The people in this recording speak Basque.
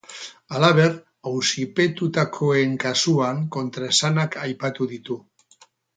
Halaber, auzipetutakoen kasuan kontraesanak aipatu ditu.